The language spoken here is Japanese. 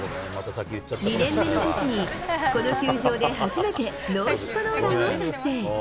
２年目の年に、この球場で初めてノーヒットノーランを達成。